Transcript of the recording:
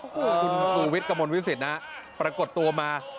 คุณชูวิตกระมวลวิศิษฐ์นะปรากฏตัวมา